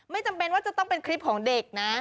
จำเป็นว่าจะต้องเป็นคลิปของเด็กนะ